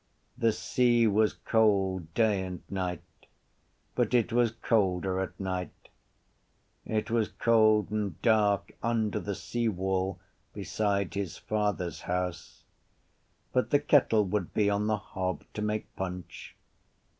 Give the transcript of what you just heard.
The sea was cold day and night: but it was colder at night. It was cold and dark under the seawall beside his father’s house. But the kettle would be on the hob to make punch.